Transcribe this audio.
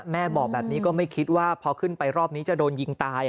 แม่บอกแบบนี้ก็ไม่คิดว่าพอขึ้นไปรอบนี้จะโดนยิงตาย